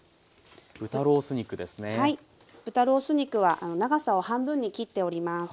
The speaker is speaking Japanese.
豚ロース肉は長さを半分に切っております。